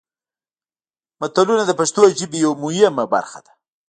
متلونه د پښتو ژبې یوه مهمه برخه ده